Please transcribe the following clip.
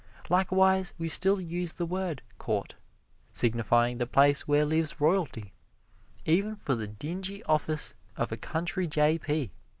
Likewise, we still use the word "Court," signifying the place where lives royalty, even for the dingy office of a country J. P.